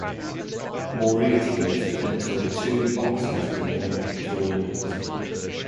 Mauritius entered two boxers into the Olympic tournament.